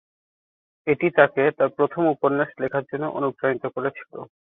এটি তাকে তার প্রথম উপন্যাস লেখার জন্য অনুপ্রাণিত করেছিল।